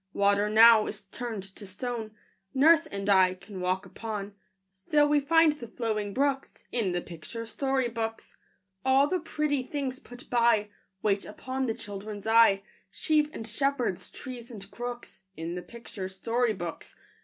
Water now is turned to stone Nurse and I can walk upon; Still we find the flowing brooks In the picture story books. All the pretty things put by, Wait upon the children's eye, Sheep and shepherds, trees and crooks, In the picture story books.